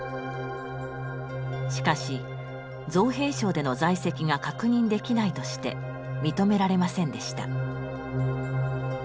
しかし造兵廠での在籍が確認できないとして認められませんでした。